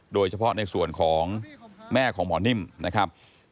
โดยเฉพาะในส่วนของแม่ของหมอนิ่มนะครับ